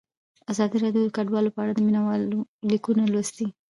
ازادي راډیو د کډوال په اړه د مینه والو لیکونه لوستي.